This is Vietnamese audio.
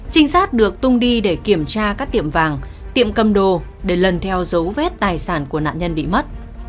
trinh sát được tung đi để kiểm tra các tiệm vàng tiệm cầm đồ để lần theo dấu vết tài sản của nạn nhân bị mất